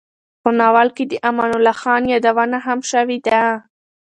په ناول کې د امان الله خان یادونه هم شوې ده.